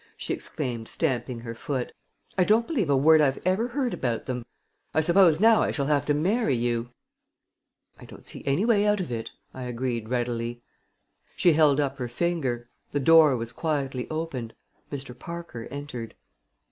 she exclaimed, stamping her foot. "I don't believe a word I've ever heard about them. I suppose now I shall have to marry you!" "I don't see any way out of it," I agreed readily. She held up her finger. The door was quietly opened. Mr. Parker entered.